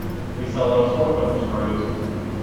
We sell an assortment of screws.